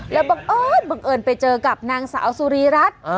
แล้วบังเอิญบังเอิญไปเจอกับนางสาวสุรีรัฐ